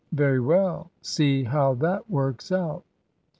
"Very well; see how that works out."